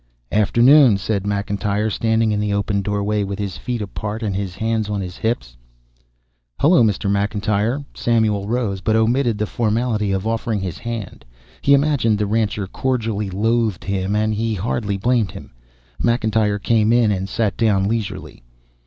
"Afternoon," said McIntyre, standing in the open doorway, with his feet apart and his hands on his hips. "Hello, Mr. McIntyre." Samuel rose, but omitted the formality of offering his hand. He imagined the rancher cordially loathed him, and he hardly blamed him. McIntyre came in and sat down leisurely.